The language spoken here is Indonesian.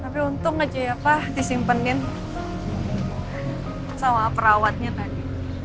tapi untung aja ya pak disimpenin sama perawatnya tadi